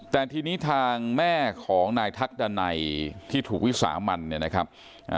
แต่ทีนี้ทางแม่ของนายทักดันัยที่ถูกวิสามันเนี่ยนะครับ